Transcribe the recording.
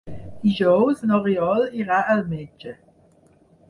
Dijous n'Oriol irà al metge.